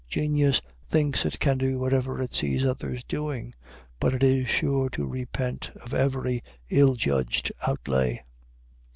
Genius thinks it can do whatever it sees others doing, but it is sure to repent of every ill judged outlay."